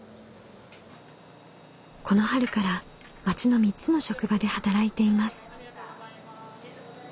この春から町の３つの職場で働いています。